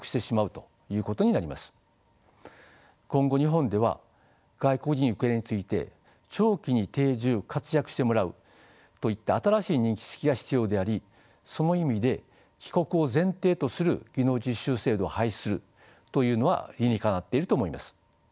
今後日本では外国人受け入れについて長期に定住活躍してもらうといった新しい認識が必要でありその意味で帰国を前提とする技能実習制度を廃止するというのは理にかなっていると思います。